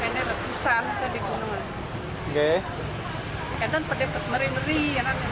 dan pedih pedih merih merih